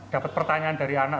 dapat pertanyaan dari anak